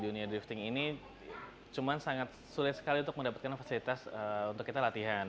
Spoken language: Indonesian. dunia drifting ini cuma sangat sulit sekali untuk mendapatkan fasilitas untuk kita latihan